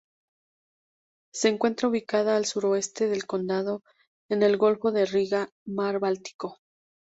Se encuentra ubicada al suroeste del condado, en el golfo de Riga, mar Báltico.